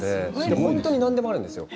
本当に何でもあるんです。